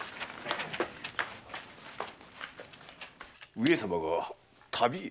上様が旅へ⁉